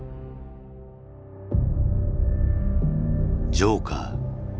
「ジョーカー」。